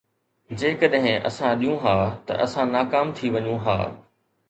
جيڪڏهن اسان ڏيون ها ته اسان ناڪام ٿي وڃون ها